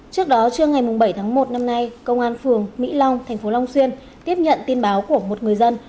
trước đó trưa ngày bảy tháng một năm nay công an phường mỹ long thành phố long xuyên tiếp nhận tin báo của một người dân